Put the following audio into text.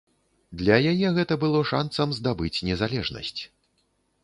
Для яе гэта было шанцам здабыць незалежнасць.